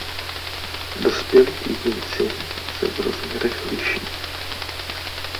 Dospělí jedinci se v rozměrech liší.